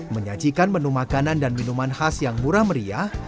menyajikan menu makanan dan minuman khas yang murah meriah